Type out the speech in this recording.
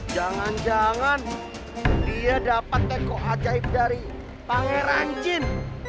jangan jangan dia dapat teko ajaib dari pangeran jin